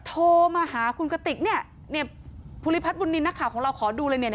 โทรมาหาคุณกระติกภูริพัฒน์บุญนินทร์ของเราขอดูเลย